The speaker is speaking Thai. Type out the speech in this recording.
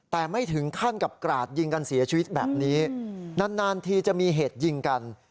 แต่ไม่ถึงขั้นกับกราดยิงกันเสียชีวิตแบบนี้นานทีจะมีเหตุยิงกัน